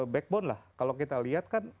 backbone lah kalau kita lihat kan